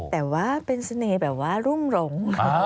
แต่ว่าเป็นเสน่ห์แบบว่ารุ่มหลง